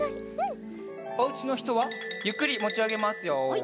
おうちのひとはゆっくりもちあげますよ。